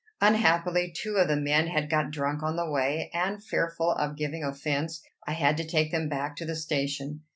Unhappily, two of the men had got drunk on the way; and, fearful of giving offence, I had to take them back to the station.